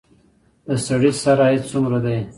د سړي سر عاید څومره دی؟